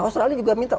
australia juga minta